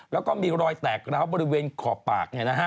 แล้วก็มีรอยแตกร้าวบริเวณขอบปาก